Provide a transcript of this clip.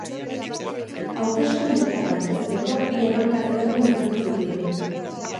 Hauteskundetan aurkezteko bi erronka ezberdin izan zituen.